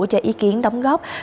cho ý kiến đóng góp